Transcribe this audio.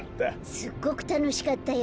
すっごくたのしかったよ。